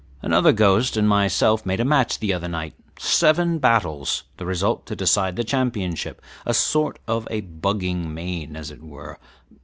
Another ghost and myself made a match the other night, seven battles, the result to decide the championship, a sort of a bugging main, as it were.